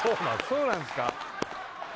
そうなんすか？